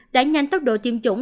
đã nhanh tốc độ tiêm chủng